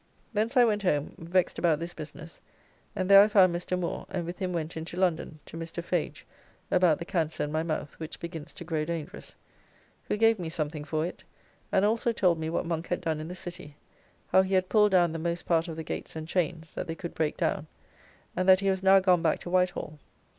Thence I went home, vexed about this business, and there I found Mr. Moore, and with him went into London to Mr. Fage about the cancer in my mouth, which begins to grow dangerous, who gave me something for it, and also told me what Monk had done in the City, how he had pulled down the most part of the gates and chains that they could break down, and that he was now gone back to White Hall.